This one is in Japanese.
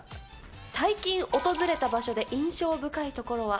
最近訪れた場所で印象深い所は？